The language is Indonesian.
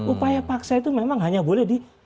upaya paksa itu memang hanya boleh di